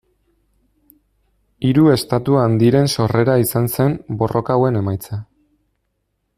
Hiru estatu handiren sorrera izan zen borroka hauen emaitza.